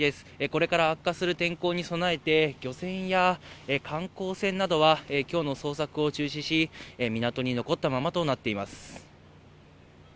これから悪化する天候に備えて、漁船や観光船などは、きょうの捜索を中止し、港に残ったままとなっています。